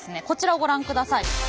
こちらをご覧ください。